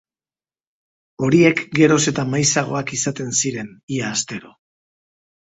Horiek geroz eta maizagoak izaten ziren, ia astero.